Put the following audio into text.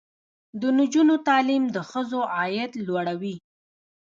د نجونو تعلیم د ښځو عاید لوړوي.